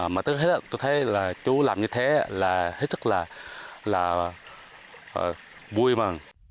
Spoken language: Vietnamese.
mà tôi thấy là chú làm như thế là rất là vui mà